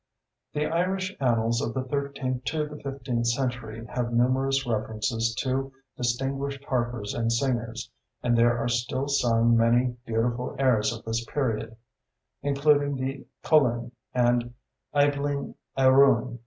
The Irish Annals of the thirteenth to the fifteenth century have numerous references to distinguished harpers and singers, and there are still sung many beautiful airs of this period, including "The Coulin" and "Eibhlin a ruin."